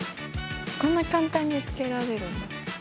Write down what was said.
こんな簡単につけられるんだ。